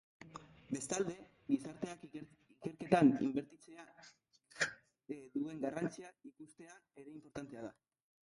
Bestalde, gizarteak ikerketan inbertitzeak duen garrantzia ikustea ere inportantea da.